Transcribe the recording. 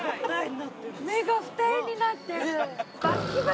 目が二重になってる。